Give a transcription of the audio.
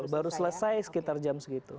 baru selesai sekitar jam segitu